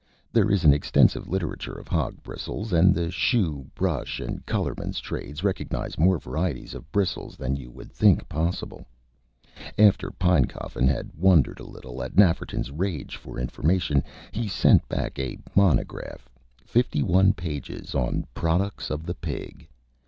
There is an extensive literature of hog bristles, and the shoe, brush, and colorman's trades recognize more varieties of bristles than you would think possible. After Pinecoffin had wondered a little at Nafferton's rage for information, he sent back a monograph, fifty one pages, on "Products of the Pig."